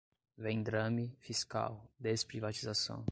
vendrame, fiscal, desprivatização